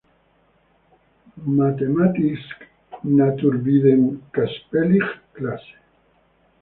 Matematisk-naturvidenskapelig klasse".